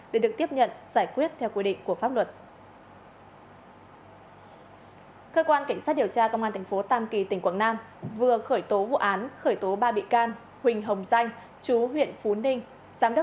để được tiếp nhận giải quyết theo quy định của pháp luật